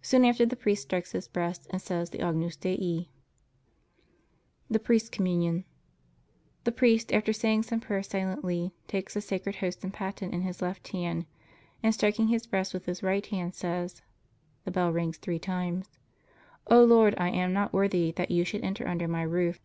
Soon after the priest strikes his breast and says the "Agnus Dei." THE PRIEST'S COMMUNION The priest after saying some prayers silently, takes the Sacred Host and paten in his left hand and striking his breast with the right hand says (the bell rings three times): *O Lord, I am not worthy that You should enter under my roof.